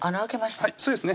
はいそうですね